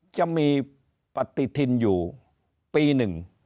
จะมีปฏิทินอยู่ปีหนึ่ง